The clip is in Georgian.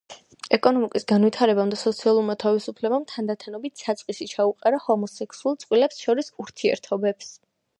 ეკონომიკის განვითარებამ და სოციალურმა თავისუფლებამ თანდათანობით საწყისი ჩაუყარა ჰომოსექსუალ წყვილებს შორის ურთიერთობებს.